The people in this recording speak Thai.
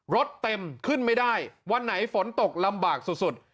รถเต็มขึ้นไม่ได้วันไหนฝนตกลำบากสุด